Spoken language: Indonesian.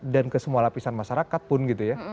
dan ke semua lapisan masyarakat pun gitu ya